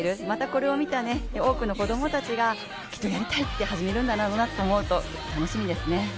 またこれを見た多くの子供たちがきっとやりたいって始めるんだろうなって思うと楽しみですね。